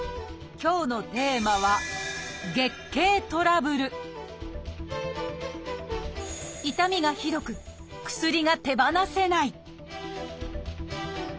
今日のテーマは痛みがひどく薬が手放せない！